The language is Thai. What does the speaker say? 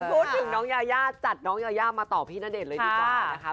พูดถึงน้องยายาจัดน้องยายามาต่อพี่ณเดชน์เลยดีกว่านะคะ